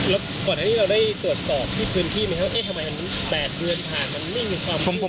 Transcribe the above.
แล้วก่อนที่นี่เราได้ตรวจสอบที่พื้นที่ไหมว่าเอ๊ะทำไม๘เดือนผ่านมันไม่มีความยุ่งได้